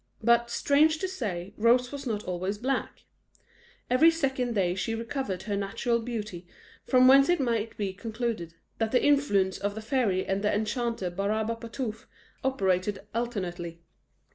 But, strange to say, Rose was not always black; every second day she recovered her natural beauty, from whence it might be concluded, that the influence of the fairy and the Enchanter Barabapatapouf operated alternately.